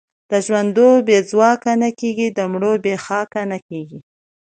د ژوندو بې ځواکه نه کېږي، د مړو بې خاکه نه کېږي.